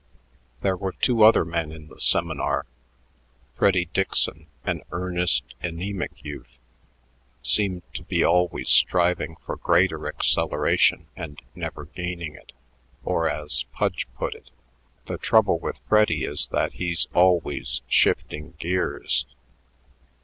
There were two other men in the seminar. Freddy Dickson, an earnest, anemic youth, seemed to be always striving for greater acceleration and never gaining it; or as Pudge put it, "The trouble with Freddy is that he's always shifting gears."